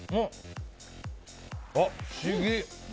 あ、不思議。